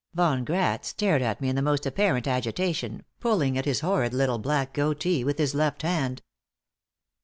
Von Gratz stared at me in most apparent agitation, pulling at his horrid little black goatee with his left hand.